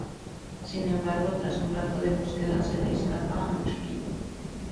Sin embargo tras un rato de búsqueda se le escapa un "chiquito".